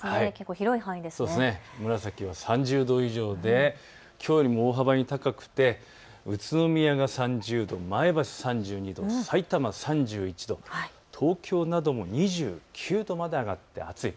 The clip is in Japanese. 紫は３０度以上できょうよりも大幅に高くて宇都宮が３０度、前橋３２度、さいたま３１度、東京なども２９度まで上がって暑い。